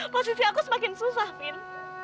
posisi aku semakin susah pin